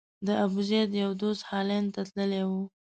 د ابوزید یو دوست هالند ته تللی و.